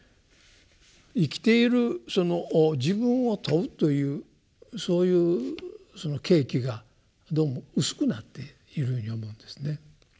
生きているその自分を問うというそういう契機がどうも薄くなっているように思うんですね。